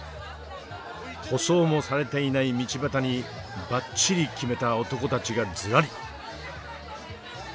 舗装もされていない道端にばっちり決めた男たちがずらり。